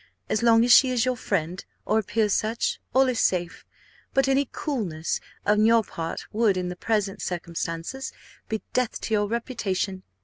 As long as she is your friend, or appears such, all is safe; but any coolness on her part would, in the present circumstances, be death to your reputation.